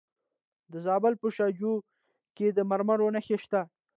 د زابل په شاجوی کې د مرمرو نښې شته.